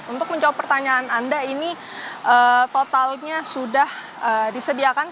untuk menjawab pertanyaan anda ini totalnya sudah disediakan